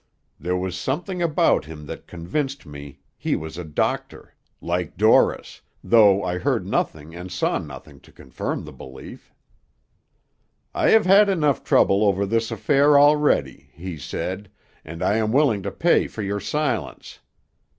There was something about him that convinced me he was a doctor, like Dorris, though I heard nothing and saw nothing to confirm the belief. "'I have had enough trouble over this affair already,' he said, 'and I am willing to pay for your silence.